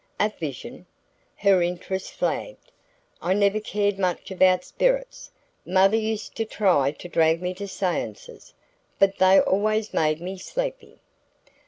"A vision?" Her interest flagged. "I never cared much about spirits. Mother used to try to drag me to seances but they always made me sleepy."